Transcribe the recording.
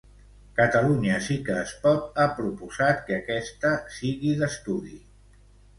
Catalunya Sí que es Pot ha proposat que aquesta sigui d'estudi.